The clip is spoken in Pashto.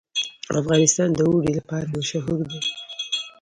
افغانستان د اوړي لپاره مشهور دی.